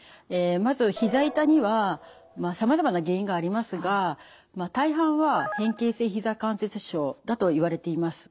まずひざ痛にはさまざまな原因がありますが大半は変形性ひざ関節症だといわれています。